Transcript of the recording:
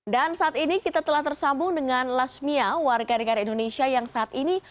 dan saat ini kita telah tersambung dengan lasmia warga dekat indonesia yang saat ini